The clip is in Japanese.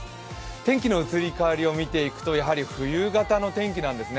天気の移り変わりを見ていくと、やはり冬型の天気なんですね。